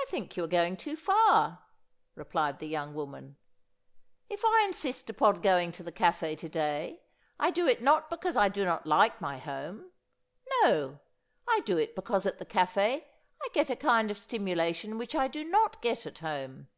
"I think you are going too far," replied the young woman. "If I insist upon going to the café to day, I do it not because I do not like my home; no, I do it because at the café I get a kind of stimulation which I do not get at home.